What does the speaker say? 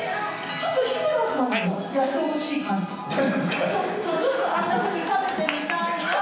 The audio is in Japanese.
ちょっとあんなふうに食べてみたいな。